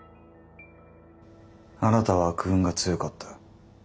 あなたは悪運が強かった。